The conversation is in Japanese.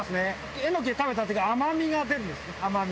エノキは食べた時甘みが出るんですね甘み。